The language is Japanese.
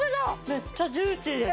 めっちゃジューシーです。